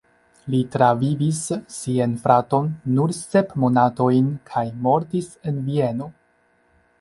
Li travivis sian fraton nur sep monatojn kaj mortis en Vieno.